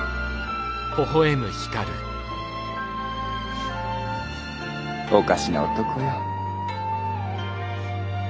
フッおかしな男よ。